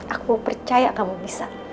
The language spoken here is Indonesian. aku percaya kamu bisa